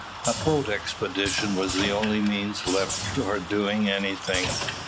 A boat expedition was the only means left for doing anything.